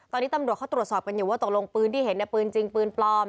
ตอนนี้ตำรวจเขาตรวจสอบกันอยู่ว่าตกลงปืนที่เห็นปืนจริงปืนปลอม